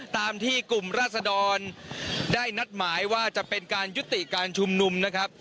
ตามที่กลุ่มราศดรได้นัดหมายว่าจะเป็นการยุติการชุมนุมนะครับ